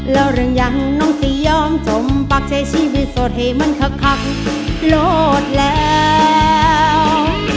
แล้วหรือยังน้องจะยอมจมปักใช้ชีวิตสดให้มันคักโลดแล้ว